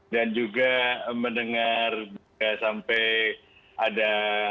dan juga mendengar sampai ada